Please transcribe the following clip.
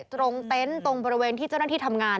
เต็นต์ตรงบริเวณที่เจ้าหน้าที่ทำงาน